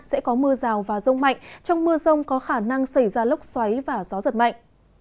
sẽ có mưa rào và rông mạnh trong mưa rông có khả năng xảy ra lốc xoáy và gió giật mạnh